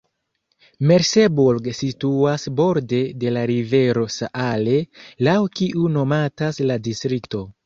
Merseburg situas borde de la rivero Saale, laŭ kiu nomatas la distrikto.